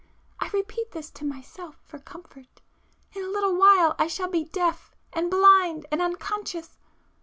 —I repeat this to myself for comfort, ... in a little while I shall be deaf and blind and unconscious